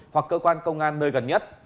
hoặc cơ quan công an nơi gần nhất